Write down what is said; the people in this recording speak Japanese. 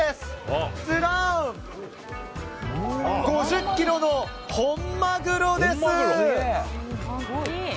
５０ｋｇの本マグロです！